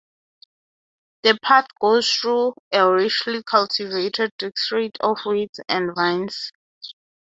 The path goes through a richly cultivated district of wheat and vines.